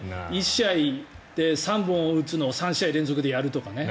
１試合で３本打つのを３試合連続でやるとかね。